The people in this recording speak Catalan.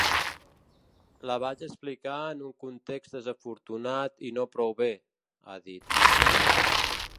La vaig explicar en un context desafortunat i no prou bé, ha dit.